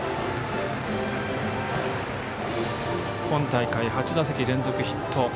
今大会８打席連続ヒット。